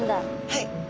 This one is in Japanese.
はい。